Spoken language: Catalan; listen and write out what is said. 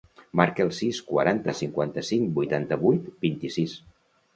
Marca el sis, quaranta, cinquanta-cinc, vuitanta-vuit, vint-i-sis.